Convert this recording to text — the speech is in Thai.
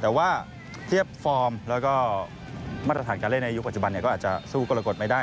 แต่ว่าเทียบฟอร์มแล้วก็มาตรฐานการเล่นในยุคปัจจุบันก็อาจจะสู้กรกฎไม่ได้